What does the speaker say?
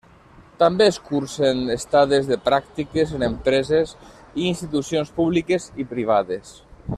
També es cursen estades de pràctiques en empreses i institucions públiques i privades.